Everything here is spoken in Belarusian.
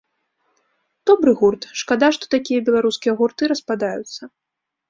Добры гурт, шкада, што такія беларускія гурты распадаюцца.